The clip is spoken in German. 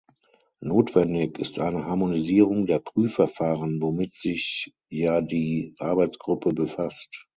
Notwendig ist eine Harmonisierung der Prüfverfahren, womit sich ja die Arbeitsgruppe befasst.